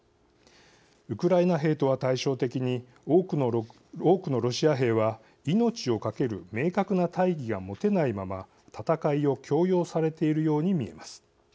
ウクライナ兵とは対照的に多くのロシア兵は命を懸ける明確な大義が持てないまま戦いを強要されているように見えます。